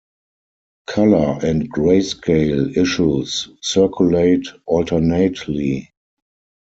Color and grayscale issues circulate alternately.